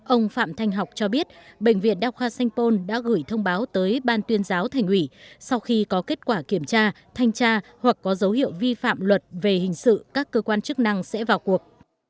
ông phạm thanh học cho biết bệnh viện đa khoa sanh pôn đã gửi thông báo tới ban tuyên giáo thành ủy sau khi có kết quả kiểm tra thanh tra hoặc có dấu hiệu vi phạm luật về hình sự các cơ quan chức năng sẽ vào cuộc